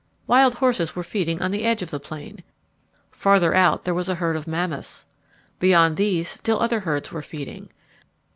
Wild horses were feeding on the edge of the plain. Farther out there was a herd of mammoths. Beyond these still other herds were feeding.